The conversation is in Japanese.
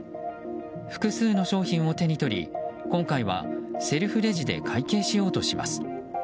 複数の商品を手に取り今回はセルフレジで会計しようとします。